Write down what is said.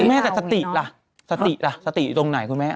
แม่แต่สติล่ะสติล่ะสติอยู่ตรงไหนคุณแม่